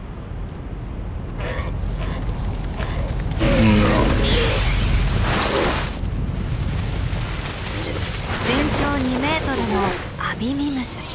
全長２メートルのアビミムス。